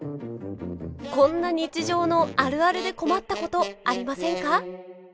こんな日常のあるあるで困ったことありませんか？